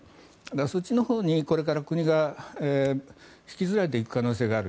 そっちのほうにこれから国が引きずられていく可能性がある。